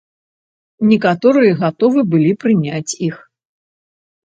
Некаторыя гатовы былі прыняць іх.